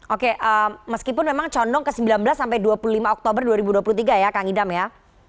oke meskipun memang condong ke sembilan belas sampai dua puluh lima oktober dua ribu dua puluh tiga ya kang idam ya